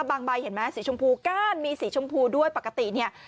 ใบเห็นไหมสีชมพูก้านมีสีชมพูด้วยปกติเนี่ย